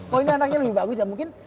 oh ini anaknya lebih bagus ya mungkin